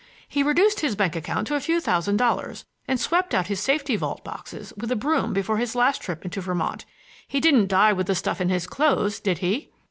He reduced his bank account to a few thousand dollars and swept out his safety vault boxes with a broom before his last trip into Vermont. He didn't die with the stuff in his clothes, did he?"